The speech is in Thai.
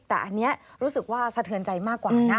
แต่อันนี้รู้สึกว่าสะเทือนใจมากกว่านะ